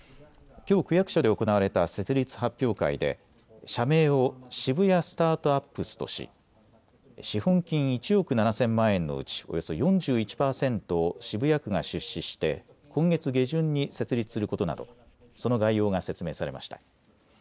きょう区役所で行われた設立発表会で社名をシブヤスタートアップスとし資本金１億７０００万円のうちおよそ４１％を渋谷区が出資して今月下旬に設立することなどその概要が説明されました。